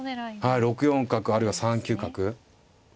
はい６四角あるいは３九角。